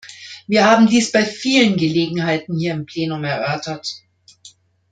Wir haben dies bei vielen Gelegenheiten hier im Plenum erörtert.